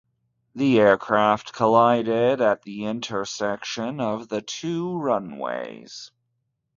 The aircraft collided at the intersection of the two runways.